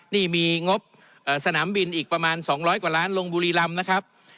นี่มีงบสนามบินอีกประมาณ๒๐๐กว่าล้านลงบุรีรำนะครับ